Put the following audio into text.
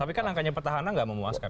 tapi kan angkanya pertahanan tidak memuaskan